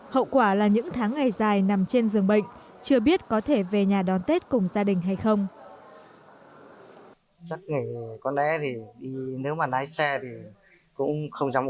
hậu quả là những tháng ngày dài nằm trên giường bệnh chưa biết có thể về nhà đón tết cùng gia đình hay không